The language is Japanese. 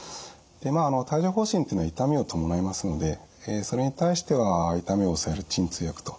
でまあ帯状ほう疹っていうのは痛みを伴いますのでそれに対しては痛みを抑える鎮痛薬と。